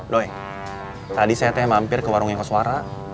doi tadi saya teh mampir ke warungnya pak suara